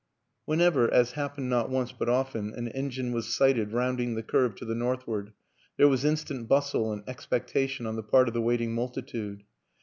Whenever as happened not once, but often an engine was sighted rounding the curve to the northward, there was instant bustle and ex pectation on the part of the waiting multitude.